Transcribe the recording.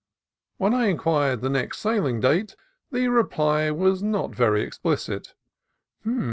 When I inquired the next sailing date, the reply was not very explicit.